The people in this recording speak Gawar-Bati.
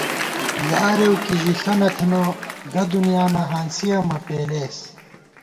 یارېؤ کی ژِݪہ نہ تھنہ ، گہ دُنیانہ ، ہانسِیَہ مہ پېلېس